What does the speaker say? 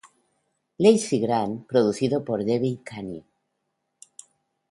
Lizzy Grant", producido por David Kahne.